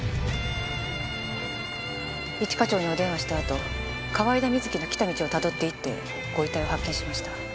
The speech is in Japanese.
一課長にお電話したあと河井田瑞希の来た道をたどって行ってご遺体を発見しました。